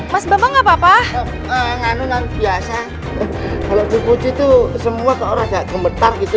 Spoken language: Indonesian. mas bambang apa apa ngandungan biasa kalau dikuji itu semua ke orangnya gemetar gitu